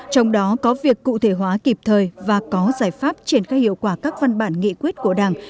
trong đó có việc cụ thể hóa kịp thời và có giải pháp triển khai hiệu quả các văn bản nghị quyết của đảng